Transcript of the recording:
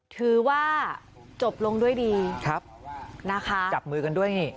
ถือว่าจบลงด้วยดีครับนะคะจับมือกันด้วยนี่